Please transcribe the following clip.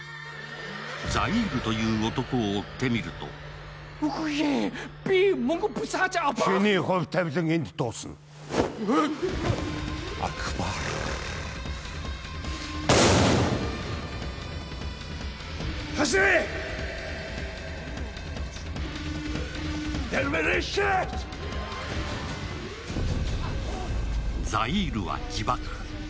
ザイールという男を追ってみるとザイールは自爆。